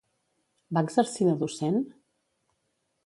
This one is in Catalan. Va exercir de docent?